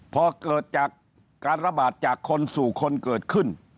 พอเกิดจากการระบาดจากคนสู่คนเกิดขึ้น